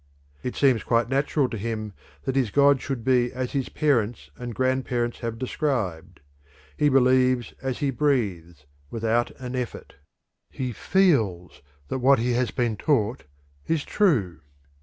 It seems quite natural to him that his gods should be as his parents and grandparents have described; he believes as he breathes, without an effort; he feels that what he has been taught is true.